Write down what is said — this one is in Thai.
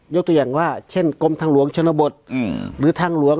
ยกตัวอย่างว่าเช่นกรมทางหลวงชนบทหรือทางหลวง